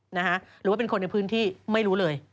หรือว่าเป็นคนในพื้นที่ไม่รู้เลย